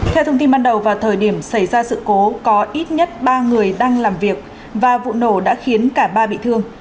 theo thông tin ban đầu vào thời điểm xảy ra sự cố có ít nhất ba người đang làm việc và vụ nổ đã khiến cả ba bị thương